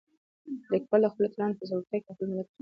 لیکوال د خپلو اتلانو په زړورتیا کې د خپل ملت وقار وینه.